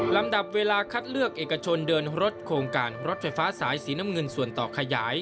ลำดับเวลาคัดเลือกเอกชนเดินรถโครงการรถไฟฟ้าสายสีน้ำเงินส่วนต่อขยาย